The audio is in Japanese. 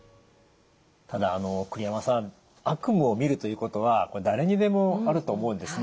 ただ栗山さん悪夢をみるということはこれ誰にでもあると思うんですね。